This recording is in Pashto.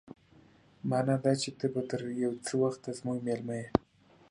مانا دا چې ته به تر يو څه وخته زموږ مېلمه يې.